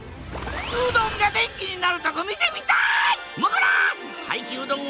うどんが電気になるとこ見てみたい！